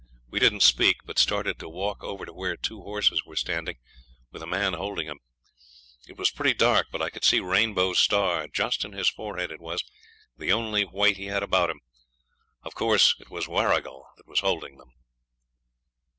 We didn't speak, but started to walk over to where two horses were standing, with a man holding 'em. It was pretty dark, but I could see Rainbow's star just in his forehead it was the only white he had about him. Of course it was Warrigal that was holding them.